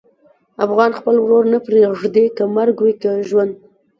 افغان خپل ورور نه پرېږدي، که مرګ وي که ژوند.